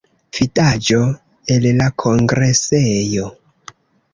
Vidaĵo el la kongresejo.